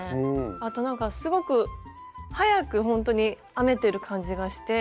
あとなんかすごく早くほんとに編めてる感じがして。